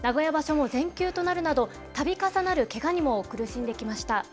名古屋場所も全休となるなどたび重なるけがにも苦しんできま